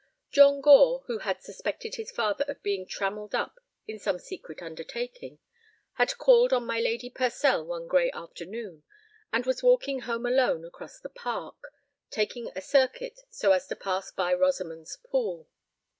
John Gore, who had suspected his father of being trammelled up in some secret undertaking, had called on my Lady Purcell one gray afternoon, and was walking home alone across the park, taking a circuit so as to pass by Rosamond's Pool.